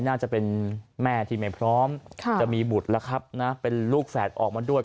น่าจะเป็นแม่ที่ไม่พร้อมจะมีบุตรแล้วครับนะเป็นลูกแฝดออกมาด้วย